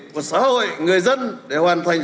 của xã hội người dân để hoàn thành